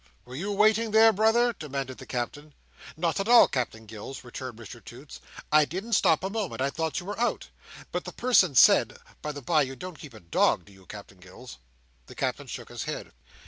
were you waiting there, brother?" demanded the Captain. "Not at all, Captain Gills," returned Mr Toots. "I didn't stop a moment. I thought you were out. But the person said—by the bye, you don't keep a dog, you, Captain Gills?" The Captain shook his head.